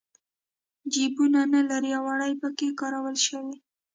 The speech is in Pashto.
جېبونه نه لري او وړۍ پکې کارول شوي.